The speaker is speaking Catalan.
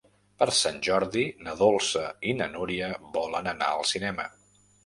Per Sant Jordi na Dolça i na Núria volen anar al cinema.